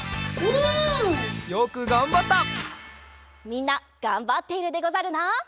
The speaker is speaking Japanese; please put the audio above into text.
みんながんばっているでござるな？